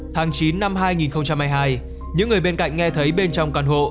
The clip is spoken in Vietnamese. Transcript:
tháng chín năm hai nghìn hai mươi hai những người bên cạnh nghe thấy bên trong căn hộ